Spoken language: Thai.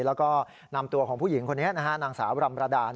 แล้วก็นำตัวของผู้หญิงคนนี้นะฮะนางสาวรำรดา